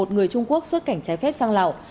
người trung quốc xuất cảnh trái phép sang lào